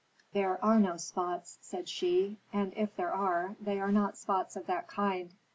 "There are no spots," said she, "and if there are, they are not spots of that kind!